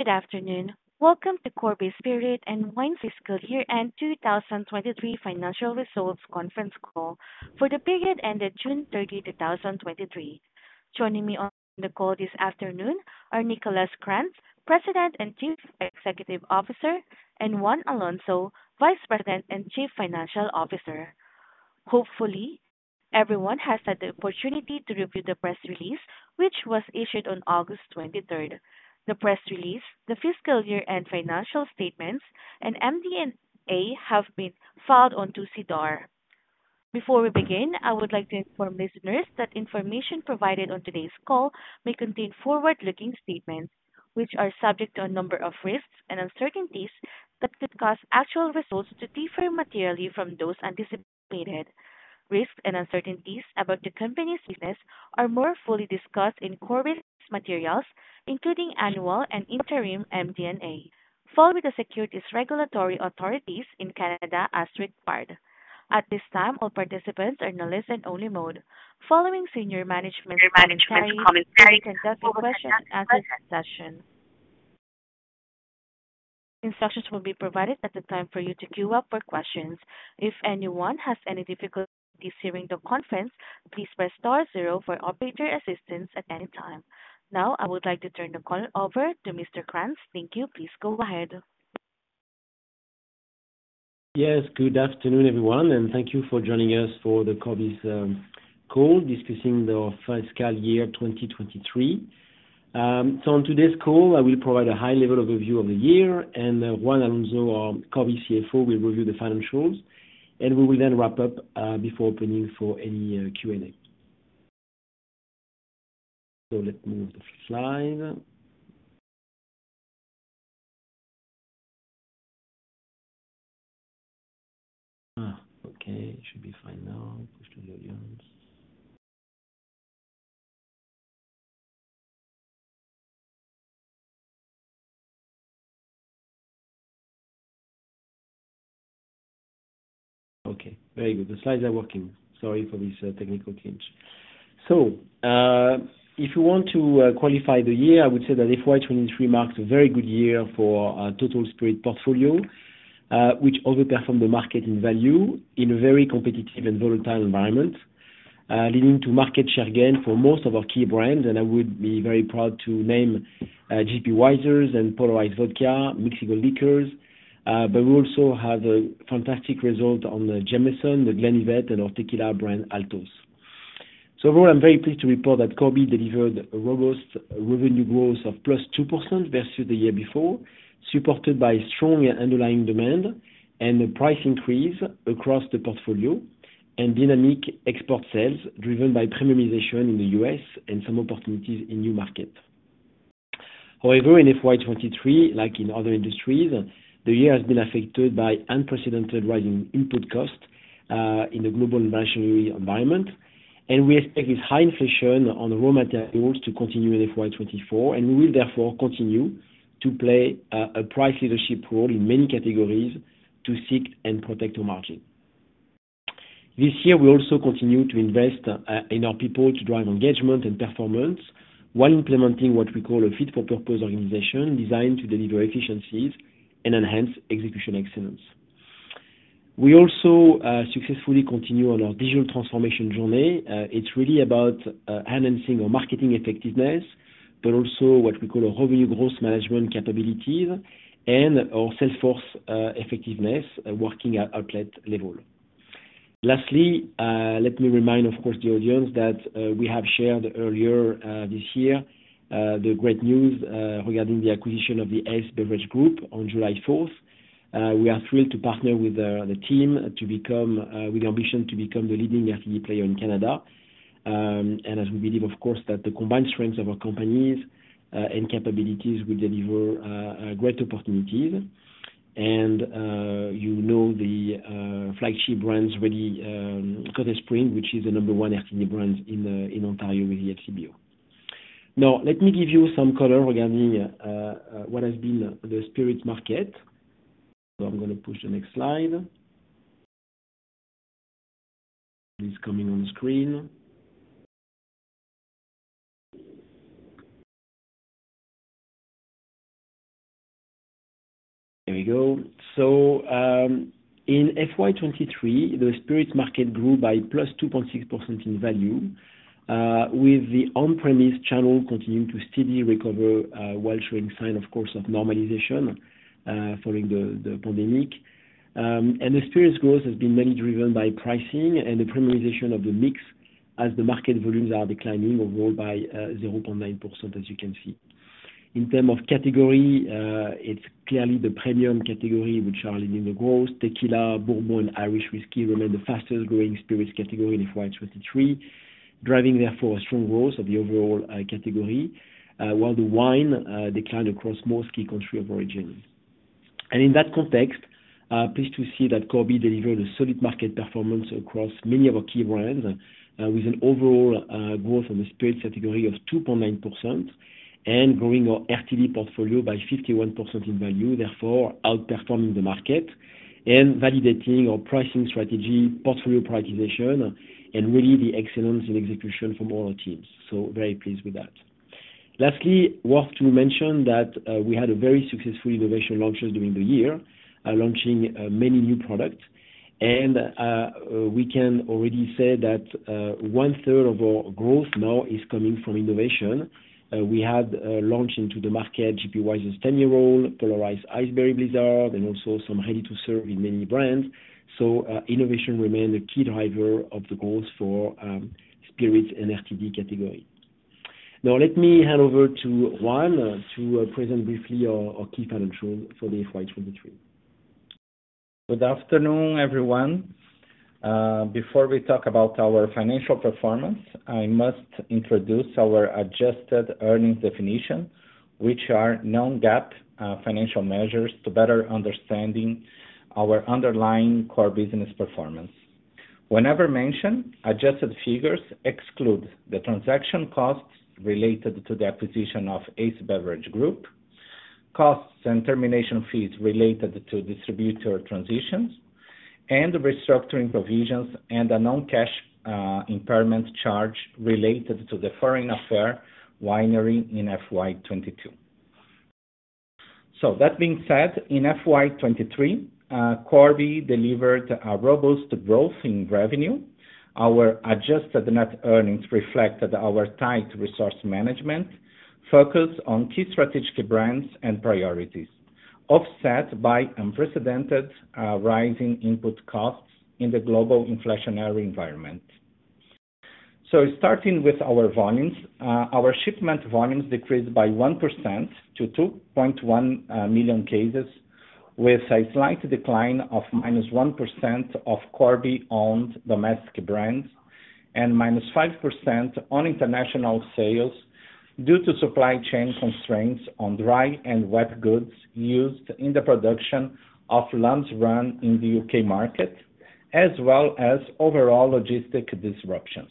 Good afternoon. Welcome to Corby Spirit and Wine Fiscal Year End 2023 Financial Results Conference Call for the period ended June 30, 2023. Joining me on the call this afternoon are Nicolas Krantz, President and Chief Executive Officer, and Juan Alonso, Vice President and Chief Financial Officer. Hopefully, everyone has had the opportunity to review the press release, which was issued on August 23. The press release, the fiscal year and financial statements, and MD&A have been filed onto SEDAR. Before we begin, I would like to inform listeners that information provided on today's call may contain forward-looking statements, which are subject to a number of risks and uncertainties that could cause actual results to differ materially from those anticipated. Risks and uncertainties about the company's business are more fully discussed in Corby's materials, including annual and interim MD&A, filed with the securities regulatory authorities in Canada as required. At this time, all participants are in a listen only mode. Following senior management's commentary, we will conduct a question-and-answer session. Instructions will be provided at the time for you to queue up for questions. If anyone has any difficulties hearing the conference, please press star zero for operator assistance at any time. Now, I would like to turn the call over to Mr. Krantz. Thank you. Please go ahead. Yes, good afternoon, everyone, and thank you for joining us for the Corby's call, discussing the fiscal year 2023. So on today's call, I will provide a high level overview of the year and, Juan Alonso, our Corby CFO, will review the financials, and we will then wrap up, before opening for any Q&A. So let me move the slide. Ah, okay, it should be fine now. Push the volumes. Okay, very good. The slides are working. Sorry for this technical glitch. So, if you want to qualify the year, I would say that FY 2023 marked a very good year for our total spirit portfolio, which outperformed the market in value in a very competitive and volatile environment, leading to market share gain for most of our key brands. I would be very proud to name J.P. Wiser's and Polar Ice Vodka, McGuinness liqueurs, but we also have a fantastic result on the Jameson, The Glenlivet, and our tequila brand, Altos. So overall, I'm very pleased to report that Corby delivered a robust revenue growth of +2% versus the year before, supported by strong and underlying demand and a price increase across the portfolio, and dynamic export sales driven by premiumization in the U.S. and some opportunities in new markets. However, in FY 2023, like in other industries, the year has been affected by unprecedented rising input costs in the global inflationary environment, and we expect this high inflation on raw materials to continue in FY 2024, and we will therefore continue to play a price leadership role in many categories to seek and protect our margin. This year, we also continue to invest in our people to drive engagement and performance, while implementing what we call a fit-for-purpose organization designed to deliver efficiencies and enhance execution excellence. We also successfully continue on our digital transformation journey. It's really about enhancing our marketing effectiveness, but also what we call Revenue Growth Management capabilities and our sales force effectiveness working at outlet level. Lastly, let me remind, of course, the audience that we have shared earlier this year the great news regarding the acquisition of the Ace Beverage Group on July fourth. We are thrilled to partner with the, the team to become with the ambition to become the leading FTD player in Canada. As we believe, of course, that the combined strengths of our companies and capabilities will deliver great opportunities. You know, the flagship brands really, Cottage Springs, which is the number one RTD brand in Ontario with the LCBO. Now, let me give you some color regarding what has been the spirit market. So I'm gonna push the next slide. It's coming on screen. There we go. So, in FY 2023, the spirit market grew by +2.6% in value, with the on-premise channel continuing to steadily recover, while showing signs, of course, of normalization, following the pandemic. And the spirits growth has been mainly driven by pricing and the premiumization of the mix as the market volumes are declining overall by 0.9%, as you can see. In terms of category, it's clearly the premium category which are leading the growth. Tequila, bourbon, Irish whiskey remain the fastest growing spirits category in FY 2023, driving therefore a strong growth of the overall category, while the wine declined across most key countries of origin. In that context, pleased to see that Corby delivered a solid market performance across many of our key brands, with an overall growth in the spirit category of 2.9% and growing our FTD portfolio by 51% in value, therefore outperforming the market and validating our pricing strategy, portfolio prioritization, and really the excellence in execution from all our teams. So very pleased with that. Lastly, worth to mention that we had a very successful innovation launches during the year, launching many new products. And we can already say that one-third of our growth now is coming from innovation. We had launch into the market, J.P. Wiser's 10-year-old, Polar Ice Berry Blizzard, and also some ready-to-serve in many brands. So innovation remained a key driver of the growth for spirits and RTD category. Now, let me hand over to Juan to present briefly our key financial for the FY 2023. Good afternoon, everyone. Before we talk about our financial performance, I must introduce our adjusted earnings definition, which are non-GAAP financial measures to better understanding our underlying core business performance. Whenever mentioned, adjusted figures exclude the transaction costs related to the acquisition of Ace Beverage Group, costs and termination fees related to distributor transitions, and the restructuring provisions and a non-cash impairment charge related to the Foreign Affair Winery in FY 2022. So that being said, in FY 2023, Corby delivered a robust growth in revenue. Our adjusted net earnings reflected our tight resource management, focused on key strategic brands and priorities, offset by unprecedented rising input costs in the global inflationary environment. So starting with our volumes. Our shipment volumes decreased by 1% to 2.1 million cases, with a slight decline of -1% of Corby-owned domestic brands, and -5% on international sales, due to supply chain constraints on dry and wet goods used in the production of Lamb's Rum in the U.K. market, as well as overall logistic disruptions.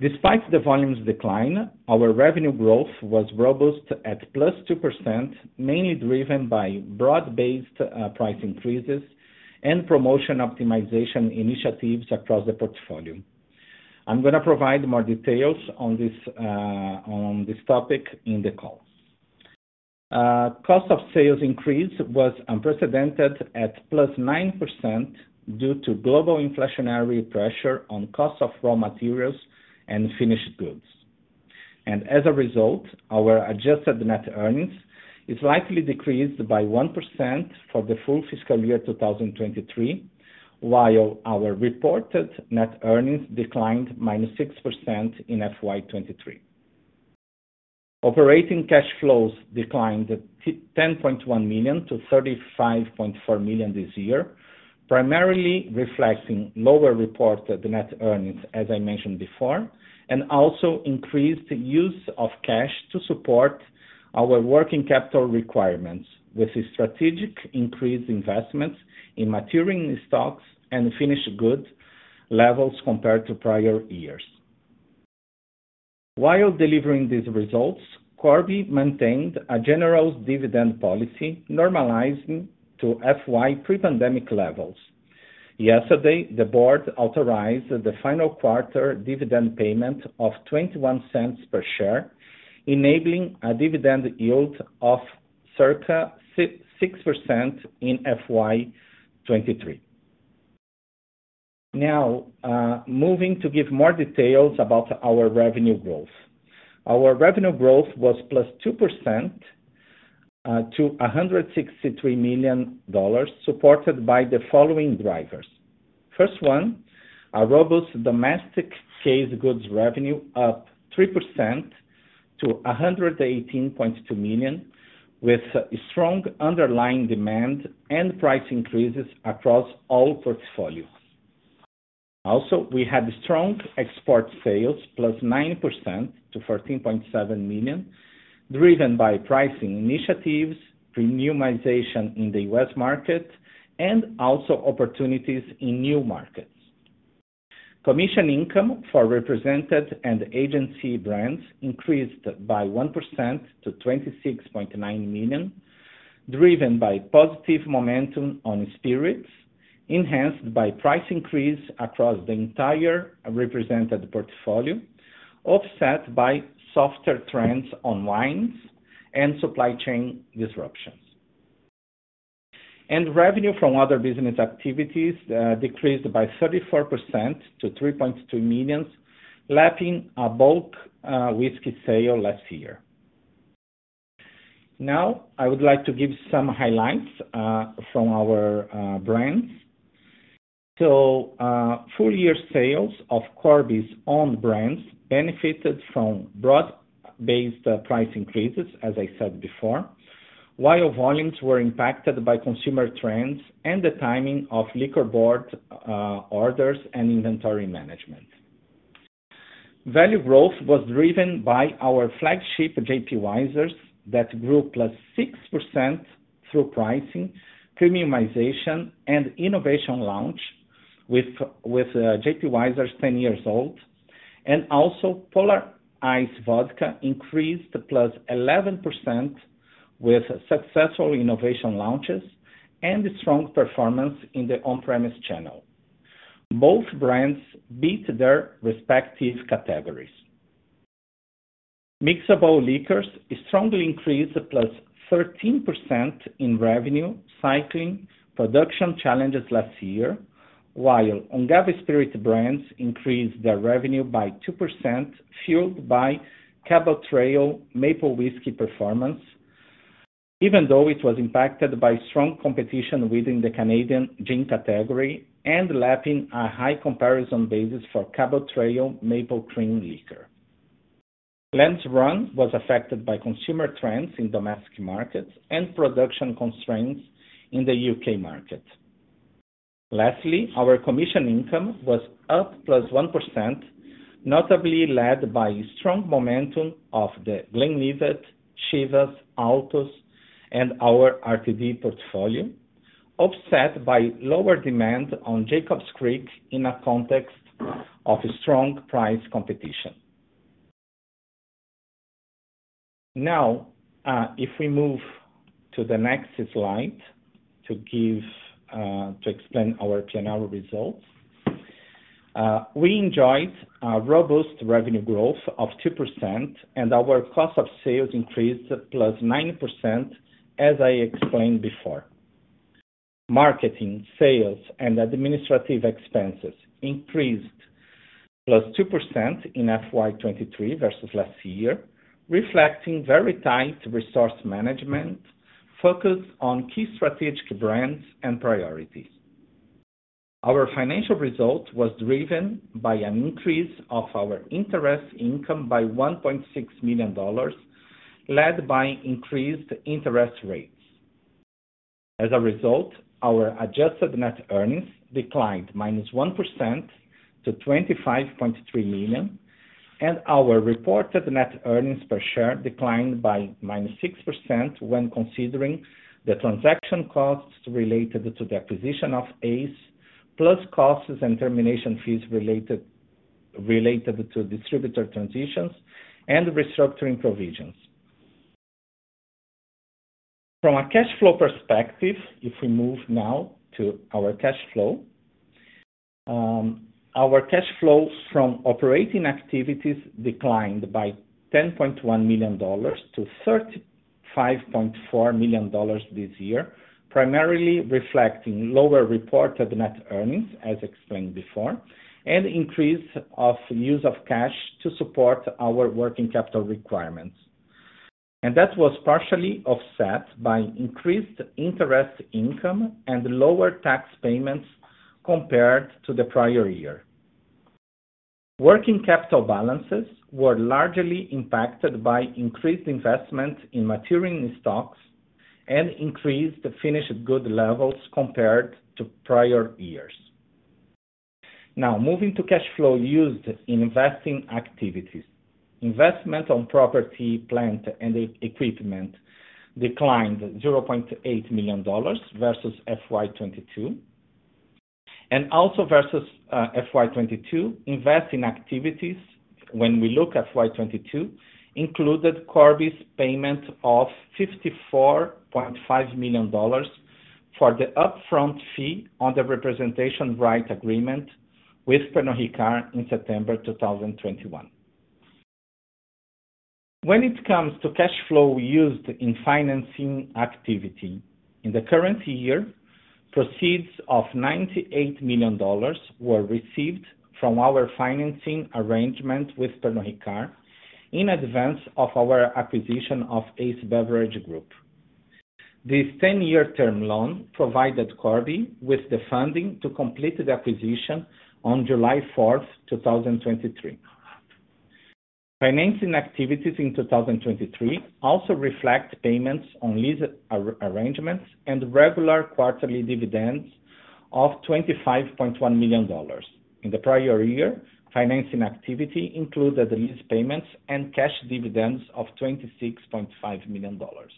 Despite the volumes decline, our revenue growth was robust at +2%, mainly driven by broad-based price increases and promotion optimization initiatives across the portfolio. I'm gonna provide more details on this on this topic in the calls. Cost of sales increase was unprecedented at +9%, due to global inflationary pressure on cost of raw materials and finished goods. As a result, our adjusted net earnings is likely decreased by 1% for the full fiscal year 2023, while our reported net earnings declined -6% in FY 2023. Operating cash flows declined to 10.1 million to 35.4 million this year, primarily reflecting lower reported net earnings, as I mentioned before, and also increased use of cash to support our working capital requirements, with a strategic increased investments in maturing stocks and finished goods levels compared to prior years. While delivering these results, Corby maintained a general dividend policy normalizing to FY pre-pandemic levels. Yesterday, the board authorized the final quarter dividend payment of 0.21 per share, enabling a dividend yield of circa 6% in FY 2023. Now, moving to give more details about our revenue growth. Our revenue growth was +2% to 163 million dollars, supported by the following drivers. First one, our robust domestic case goods revenue up 3% to 118.2 million, with strong underlying demand and price increases across all portfolios. Also, we had strong export sales, +9% to 14.7 million, driven by pricing initiatives, premiumization in the U.S. market, and also opportunities in new markets. Commission income for represented and agency brands increased by 1% to 26.9 million, driven by positive momentum on spirits, enhanced by price increase across the entire represented portfolio, offset by softer trends on wines and supply chain disruptions. And revenue from other business activities decreased by 34% to 3.2 million, lapping a bulk whiskey sale last year. Now, I would like to give some highlights from our brands. So, full year sales of Corby's own brands benefited from broad-based price increases, as I said before, while volumes were impacted by consumer trends and the timing of liquor board orders and inventory management. Value growth was driven by our flagship J.P. Wiser's, that grew +6% through pricing, premiumization, and innovation launch with J.P. Wiser's 10-Year-Old, and also Polar Ice Vodka increased +11% with successful innovation launches and strong performance in the on-premise channel. Both brands beat their respective categories. Mixable liqueurs strongly increased +13% in revenue, cycling production challenges last year, while Ungava Spirits brands increased their revenue by 2%, fueled by Cabot Trail Maple Whiskey performance, even though it was impacted by strong competition within the Canadian gin category and lapping a high comparison basis for Cabot Trail Maple Cream Liqueur. Lamb's rum was affected by consumer trends in domestic markets and production constraints in the U.K. market. Lastly, our commission income was up +1%, notably led by strong momentum of the Glenlivet, Chivas, Altos, and our RTD portfolio, offset by lower demand on Jacob's Creek in a context of strong price competition. Now, if we move to the next slide to give to explain our P&L results. We enjoyed a robust revenue growth of 2%, and our cost of sales increased +9%, as I explained before. Marketing, sales, and administrative expenses increased +2% in FY 2023 versus last year, reflecting very tight resource management, focused on key strategic brands and priorities. Our financial result was driven by an increase of our interest income by 1.6 million dollars, led by increased interest rates. As a result, our adjusted net earnings declined -1% to 25.3 million, and our reported net earnings per share declined by -6% when considering the transaction costs related to the acquisition of ACE, plus costs and termination fees related to distributor transitions and restructuring provisions. From a cash flow perspective, if we move now to our cash flow. Our cash flows from operating activities declined by 10.1 million dollars to 35.4 million dollars this year, primarily reflecting lower reported net earnings, as explained before, and an increase of use of cash to support our working capital requirements. That was partially offset by increased interest income and lower tax payments compared to the prior year. Working capital balances were largely impacted by increased investment in maturing stocks and increased finished good levels compared to prior years. Now, moving to cash flow used in investing activities. Investment on property, plant, and equipment declined CAD 0.8 million versus FY 2022, and also versus FY 2022, investing activities, when we look at FY 2022, included Corby's payment of 54.5 million dollars for the upfront fee on the representation right agreement with Pernod Ricard in September 2021. When it comes to cash flow used in financing activity, in the current year, proceeds of 98 million dollars were received from our financing arrangement with Pernod Ricard in advance of our acquisition of Ace Beverage Group. This 10-year term loan provided Corby with the funding to complete the acquisition on July fourth, 2023. Financing activities in 2023 also reflect payments on lease arrangements and regular quarterly dividends of 25.1 million dollars. In the prior year, financing activity included lease payments and cash dividends of 26.5 million dollars.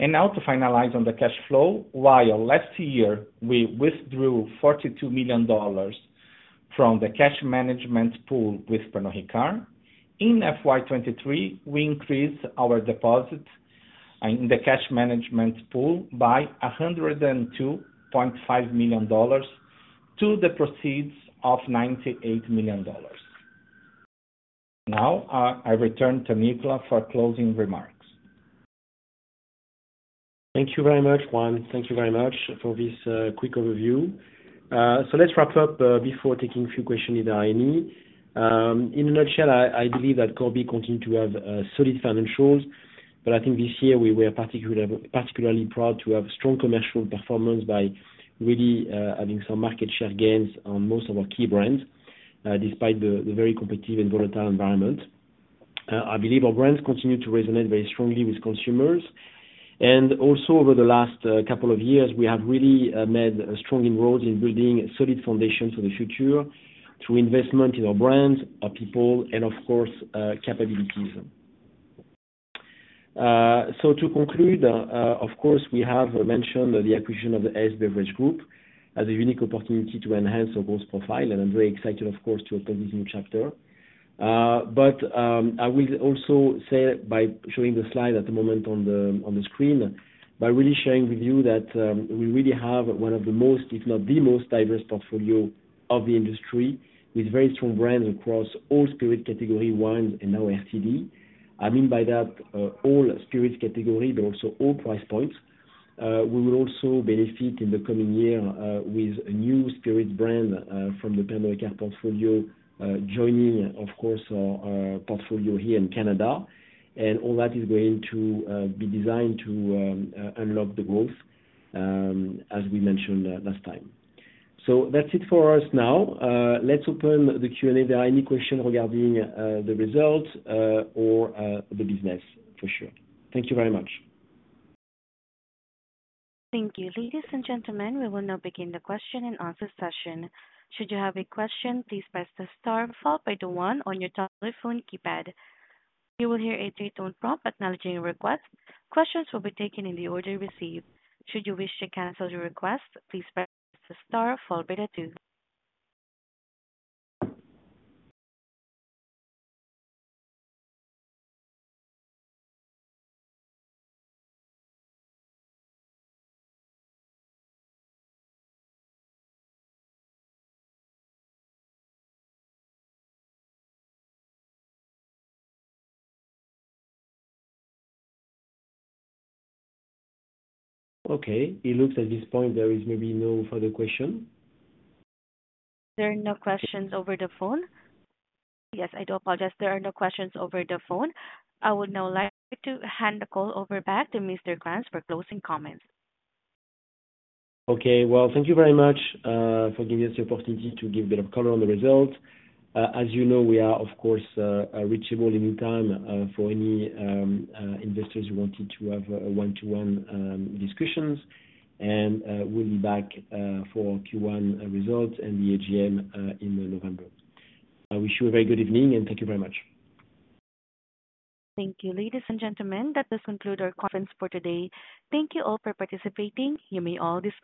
Now to finalize on the cash flow, while last year we withdrew 42 million dollars from the cash management pool with Pernod Ricard, in FY 2023, we increased our deposit in the cash management pool by 102.5 million dollars to the proceeds of 98 million dollars. Now, I return to Nicolas for closing remarks. Thank you very much, Juan. Thank you very much for this quick overview. So let's wrap up before taking a few questions, if there are any. In a nutshell, I believe that Corby continue to have solid financials, but I think this year we were particularly proud to have strong commercial performance by really having some market share gains on most of our key brands despite the very competitive and volatile environment. I believe our brands continue to resonate very strongly with consumers. And also over the last couple of years, we have really made a strong inroads in building a solid foundation for the future through investment in our brands, our people, and of course, capabilities. So to conclude, of course, we have mentioned the acquisition of the ACE Beverage Group as a unique opportunity to enhance our growth profile, and I'm very excited, of course, to open this new chapter. But, I will also say by showing the slide at the moment on the screen, by really sharing with you that, we really have one of the most, if not the most diverse portfolio of the industry, with very strong brands across all spirit category wines and now RTD. I mean by that, all spirits category, but also all price points. We will also benefit in the coming year, with a new spirit brand, from the Pernod Ricard portfolio, joining, of course, our portfolio here in Canada. All that is going to be designed to unlock the growth as we mentioned last time. That's it for us now. Let's open the Q&A. There are any questions regarding the results or the business for sure. Thank you very much. Thank you. Ladies and gentlemen, we will now begin the question and answer session. Should you have a question, please press the star followed by the 1 on your telephone keypad. You will hear a 3-tone prompt acknowledging your request. Questions will be taken in the order received. Should you wish to cancel your request, please press the star followed by the 2. Okay, it looks at this point there is maybe no further question. There are no questions over the phone. Yes, I do apologize. There are no questions over the phone. I would now like to hand the call over back to Mr. Krantz for closing comments. Okay. Well, thank you very much for giving us the opportunity to give a bit of color on the results. As you know, we are of course reachable in time for any investors who wanted to have a one-to-one discussions. And we'll be back for Q1 results and the AGM in November. I wish you a very good evening, and thank you very much. Thank you. Ladies and gentlemen, that does conclude our conference for today. Thank you all for participating. You may all disconnect.